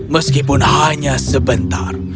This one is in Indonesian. meskipun hanya sebentar